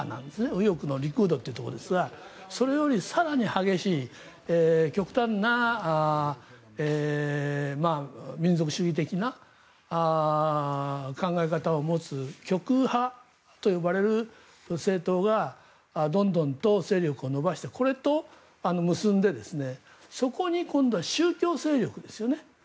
右翼のリクードというところですがそれより更に激しい極端な民族主義的な考え方を持つ極右派と呼ばれる政党がどんどんと勢力を伸ばしてこれと結んでそこに今度は宗教勢力ですよね。